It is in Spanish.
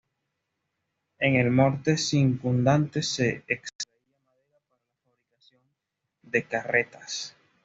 En el monte circundante se extraía madera para la fabricación de carretas.